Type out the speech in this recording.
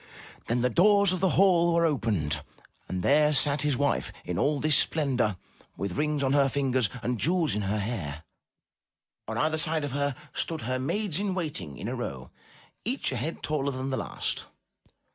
Then the doors of the hall were opened, and there sat his wife in all this splendor, with rings on her fingers and jewels in her hair. On either side of her stood her maids in waiting in a row, each a head taller than the last.